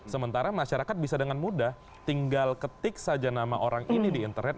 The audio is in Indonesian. sementara masyarakat bisa dengan mudah tinggal ketik saja nama orang ini di internet